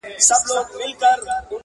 • سړي وځي له حسابه په نړۍ کي,